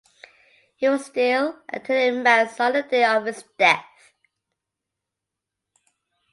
He was still attending mass on the day of his death.